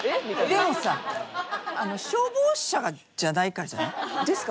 でもさ消防車じゃないからじゃない？ですかね。